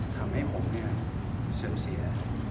ทำให้ผมเสื่อมเสีย